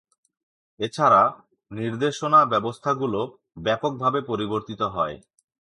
এছাড়া, নির্দেশনা ব্যবস্থাগুলো ব্যাপকভাবে পরিবর্তিত হয়।